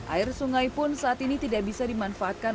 air sungai pun saat ini tidak bisa dimanfaatkan